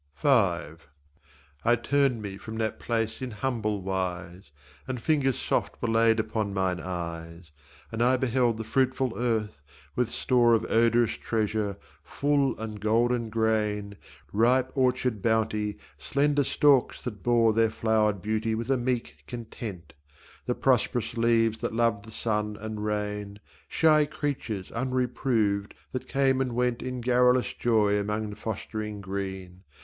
V I turned me from that place in humble wise, And fingers soft were laid upon mine eyes, And I beheld the fruitful earth, with store Of odorous treasure, full and golden grain, Ripe orchard bounty, slender stalks that bore Their flowered beauty with a meek content, The prosperous leaves that loved ths sun and rain, Shy creatures unreproved that came and went In garrulous joy among the fostering green.